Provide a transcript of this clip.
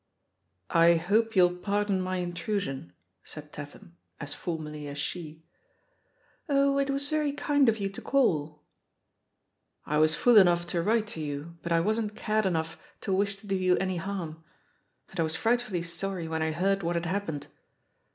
"I hope you'll pardon my intrusion," said Tat ham, as formally as she. Oh, it was very kind of you to call." 1 was fool enough to write to you, but I wasn't cad enough to wish to do you any harm. And I was frightfully sorry when I heard what had happened.